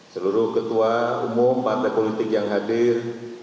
seluruh ketua umum partai politik yang hadir